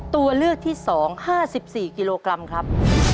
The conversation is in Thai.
ตัวเลือกที่๒๕๔กิโลกรัมครับ